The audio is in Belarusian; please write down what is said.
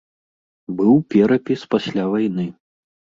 Быў перапіс пасля вайны.